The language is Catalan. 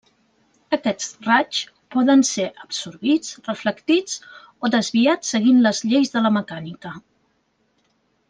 Aquests raigs poden ser absorbits, reflectits o desviats seguint les lleis de la mecànica.